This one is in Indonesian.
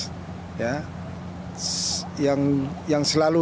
jadi saya rasa untuk pemain indonesia itu lebih suka lebih senang main poin kecil